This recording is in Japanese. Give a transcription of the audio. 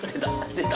出た！